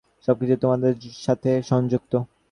সবকিছু তোমাদের সাথে সংযুক্ত!